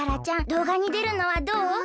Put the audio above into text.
ちゃんどうがにでるのはどう？